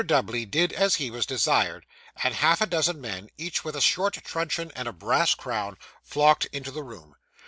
Dubbley did as he was desired; and half a dozen men, each with a short truncheon and a brass crown, flocked into the room.